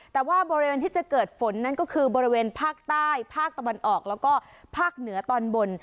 แต่ว่าบริเวณที่จะเกิดฝนนั่นก็คือบริเวณภาคใต้ภาคตะวันออกแล้วก็ภาคเหนือตอนบน